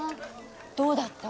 どうだった？